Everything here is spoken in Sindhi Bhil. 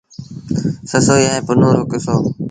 سسئيٚ ائيٚݩ پنهون رو ڪسو۔